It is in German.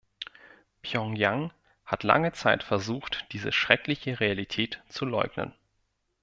Pjöngjang hat lange Zeit versucht, diese schreckliche Realität zu leugnen.